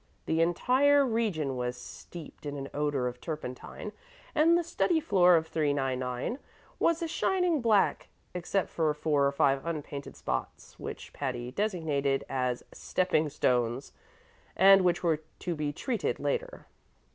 The entire region was steeped in an odor of turpentine, and the study floor of 399 was a shining black, except for four or five unpainted spots which Patty designated as "stepping stones," and which were to be treated later.